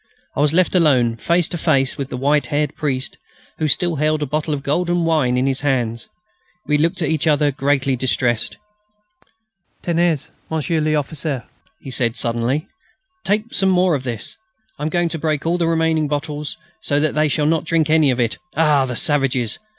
I was left alone face to face with the white haired priest who still held a bottle of golden wine in his hand. We looked at each other greatly distressed. "Tenez, Monsieur l'Officier," he said suddenly; "take some more of this. I am going to break all the remaining bottles, so that they shall not drink any of it.... Ah! the savages!